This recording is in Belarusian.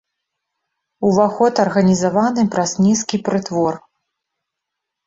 Уваход арганізаваны праз нізкі прытвор.